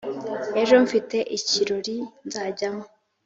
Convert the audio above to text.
Ejo mfite ikirori nzajyamo